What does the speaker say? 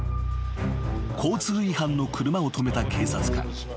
［交通違反の車を止めた警察官］